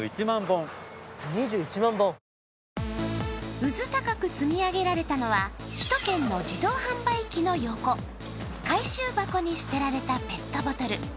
うずたかく積み上げられたのは、首都圏の自動販売機の横、回収箱に捨てられたペットボトル。